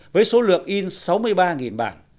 với số lượng in sáu mươi ba bản